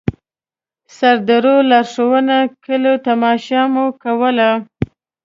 سردرو، لاښونو، کليو تماشه مو کوله.